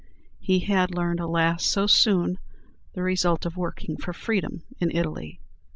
He had learned, alas, so soon, the result of working for freedom in Italy!